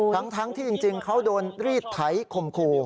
ดังทั้งที่จริงเขาโดนรีดไถคมครู